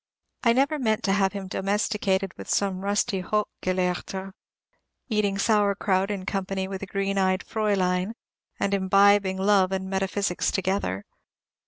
I never meant to have him domesticated with some rusty Hochgelehrter, eating sauer kraut in company with a green eyed Fraulein, and imbibing love and metaphysics together.